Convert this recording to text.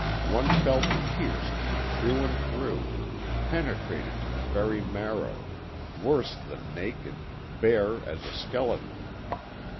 One felt pierced through and through, penetrated to the very marrow, worse than naked, bare as a skeleton.